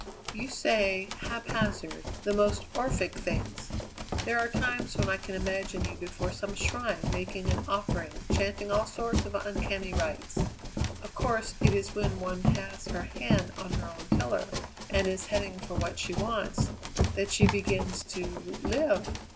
"You say, haphazard, the most Orphic things. There are times when I can imagine you before some shrine making an offering and chanting all sorts of uncanny rites. Of course it is when one has her hand on her own tiller, and is heading for what she wants, that she begins to live.